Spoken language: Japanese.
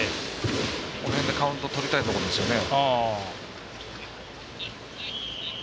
この辺でカウント取りたいところですよね。